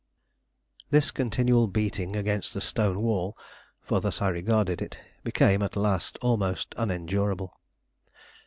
This continual beating against a stone wall, for thus I regarded it, became at last almost unendurable.